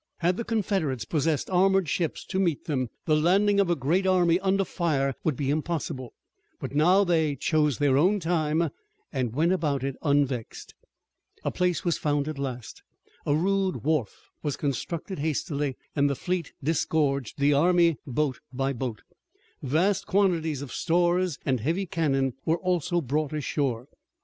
Had the Confederates possessed armored ships to meet them, the landing of a great army under fire would be impossible, but now they chose their own time and went about it unvexed. A place was found at last, a rude wharf was constructed hastily, and the fleet disgorged the army, boat by boat. Vast quantities of stores and heavy cannon were also brought ashore.